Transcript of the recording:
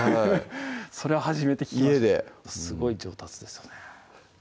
それは初めて聞きました家ですごい上達ですよね